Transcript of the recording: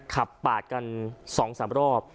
ขับปาดกัน๒๓รอบ